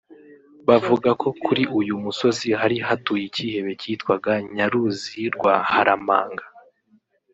bavuga ko kuri uyu musozi hari hatuye icyihebe cyitwaga Nyaruzi rwa Haramanga